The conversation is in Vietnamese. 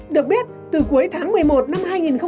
được biết từ cuối tháng một mươi một năm hai nghìn hai mươi một